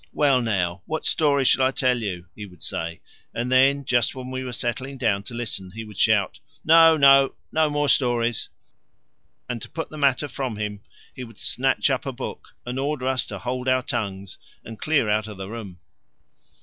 "Well, now, what story shall I tell you?" he would say; and then, just when we were settling down to listen, he would shout, "No, no, no more stories," and to put the matter from him he would snatch up a book and order us to hold our tongues or clear out of the room!